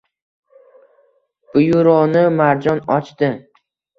Byuroni Marjon ochdi